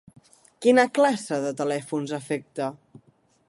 Quina classe de telèfons afecta?